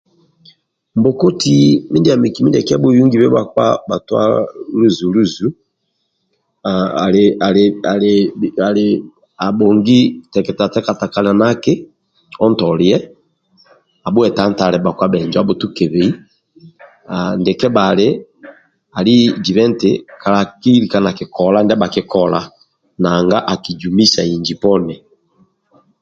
Mbokoti mindia mikiki mindiaki abhueyunibe bhakpa bhatua luzu luzu ali ali ali ai abhongi teketa takatakanaki ontolie abhuetantale abhutukebei ndia kebhali ali jibe eti kala kikola ndia bhagbei kolai naga akijumisa inji poni